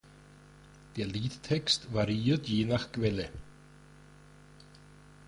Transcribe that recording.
Der Liedtext variiert je nach Quelle.